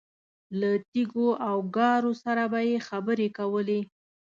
له تیږو او ګارو سره به یې خبرې کولې.